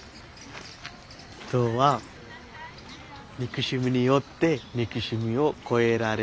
人は憎しみによって憎しみを越えられない。